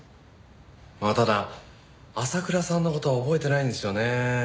ただ浅倉さんの事は覚えてないんですよね。